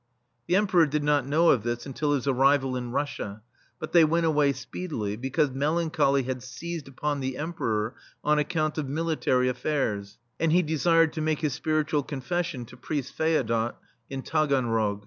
The Emperor did not know of this until his arrival in Russia, but they went away speedily, because melancholy had seized upon the Emperor on account of military affairs, and he desired to make his spiritual confession to Priest Feodot in Taganrog.